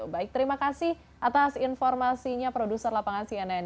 baik terima kasih atas informasinya produser lapangan cnn